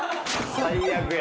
最悪や。